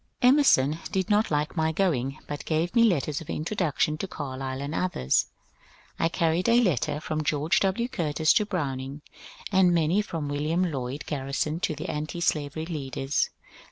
Emerson did not like my going, but gave me letters of introduction to Carlyle and others. I carried a letter from George W. Curtis to Browning, and many from William Lloyd Garrison to the antislavery leaders.